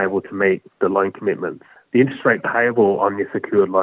pembelian keuangan di pinjaman pribadi utama